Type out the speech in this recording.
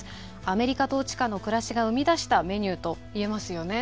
アメリカ統治下の暮らしが生み出したメニューと言えますよね。